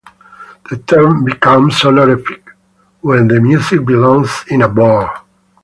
The term becomes honorific when the music belongs in a bar.